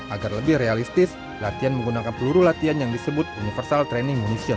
agar lebih realistis latihan menggunakan peluru latihan yang disebut universal training monition